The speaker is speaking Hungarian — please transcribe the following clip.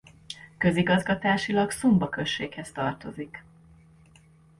Közigazgatásilag Sumba községhez tartozik.